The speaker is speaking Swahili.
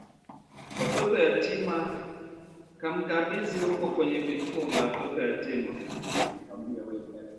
watoto yatima, kamkabidhi huko kwenye vituo vya watoto yatima